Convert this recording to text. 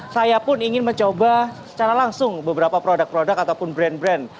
saya pun ingin mencoba secara langsung beberapa produk produk ataupun brand brand